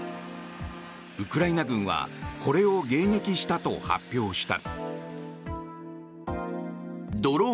ウクライナ軍はこれを迎撃したと発表した。